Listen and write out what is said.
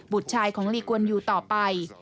บุตรชายของลีกวันยูต่อไป